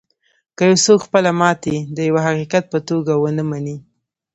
که یو څوک خپله ماتې د یوه حقیقت په توګه و نهمني